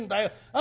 あ！